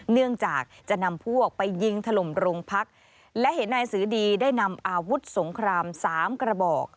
เนื่องจากจะนำพวกไปยิงถล่มโรงพักและเห็นนายสือดีได้นำอาวุธสงครามสามกระบอก